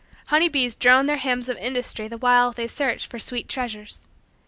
Honeybees droned their hymns of industry the while they searched for sweet treasures.